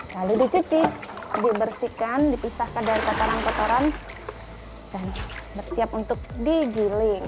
lalu dicuci dibersihkan dipisahkan dari kotoran kotoran dan bersiap untuk digiling